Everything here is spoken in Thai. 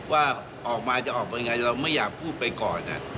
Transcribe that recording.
ว่าออกมาจะออกมายังไงเราไม่อยากพูดไปก่อน